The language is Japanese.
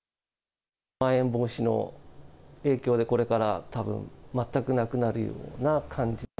まん延防止の影響で、これからたぶん、全くなくなるような感じ。